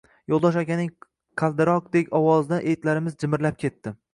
Yo’ldosh akaning qaldiroqdek ovozidan etlarimiz jimirlab ketdi.